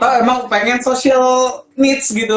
bang emang pengen social needs gitu